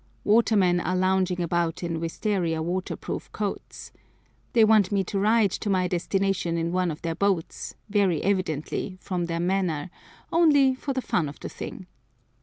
Watermen are lounging about in wistaria waterproof coats. They want me to ride to my destination in one of their boats, very evidently, from their manner, only for the fun of the thing.